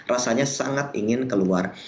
rasanya sangat ingin keluar